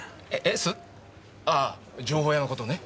ああ情報屋の事ね。